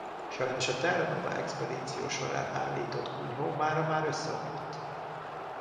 Sajnos a Terra Nova-expedíció során állított kunyhó mára már összeomlott.